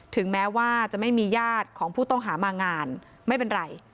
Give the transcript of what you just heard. ถึงแม้ว่าจะไม่มีญาติของผู้ต้องหามางานไม่เป็นไร